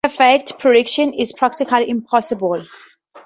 So perfect prediction is "practically" impossible.